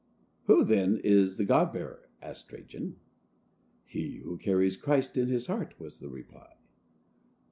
"Who, then, is 'the God bearer'?" asked Trajan. "He who carries Christ in his heart," was the reply.